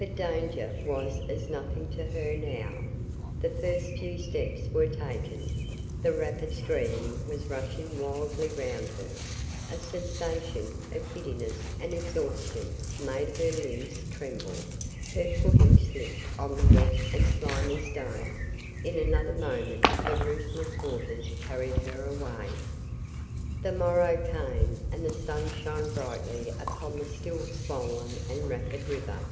But danger was as nothing to her now the first few steps were taken the rapid stream was rushing wildly round her a sensation, of giddiness and exhaustion made her limbs tremble her footing slipped on the wet and slimy stone in another moment the ruthless waters carried her away. The morrow came, and the sun shone brightly upon the still swollen and rapid river.